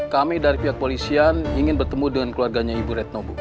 kami dari pihak polisian ingin bertemu dengan keluarganya ibu retno bu